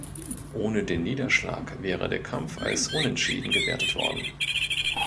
Ohne den Niederschlag wäre der Kampf als Unentschieden gewertet worden.